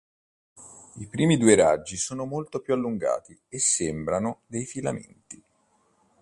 I primi due raggi sono molto più allungati e sembrano dei filamenti.